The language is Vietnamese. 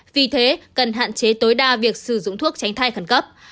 vì thế cần hạn chế tối đa việc sử dụng thuốc tránh thai khẩn cấp